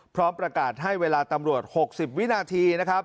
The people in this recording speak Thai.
พร้อมประกาศให้เวลาตำรวจ๖๐วินาทีนะครับ